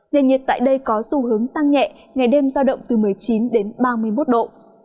nền nhiệt tại đây có xu hướng tăng nhẹ ngày đêm giao động từ một mươi chín đến ba mươi một độ